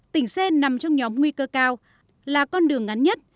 tỉnh c nằm trong nhóm nguy cơ cao là con đường ngắn nhất